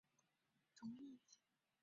事情多起来就容易乱